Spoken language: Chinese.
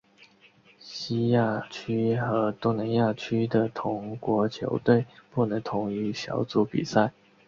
西亚区和东南亚区的同国球队不能同一小组比赛。